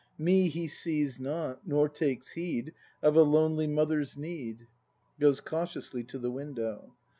Me He sees not, nor takes heed Of a lonely mother's need. — [Goes cautiously to the window.